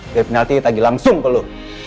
dari penalti tagi langsung ke lo